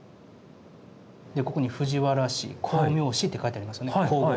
ここに「藤原氏光明子」って書いてありますよね。